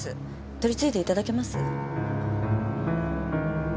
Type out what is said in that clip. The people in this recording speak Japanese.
取り次いでいただけます？